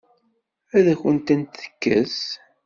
Ad akent-tent-tekkes?